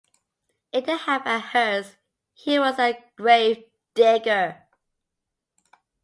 He did have a hearse, he was a grave digger.